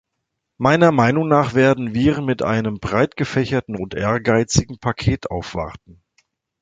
Meiner Meinung nach werden wir mit einem breit gefächerten und ehrgeizigen Paket aufwarten.